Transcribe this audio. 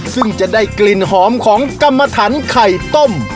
ซึ่งจะได้กลิ่นหอมของกรรมฐานไข่ต้ม